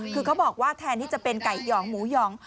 คือเขาบอกว่าแทนที่จะเป็นไก่หองหมูหยอง